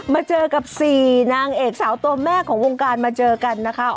มาเจอกับ๔นางเอกสาวตัวแม่ของวงการมาเจอกันนะคะ